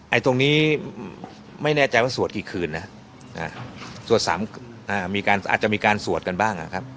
ตรงนี้ไม่แน่ใจว่าสวดกี่คืนนะสวดสามมีการอาจจะมีการสวดกันบ้างนะครับ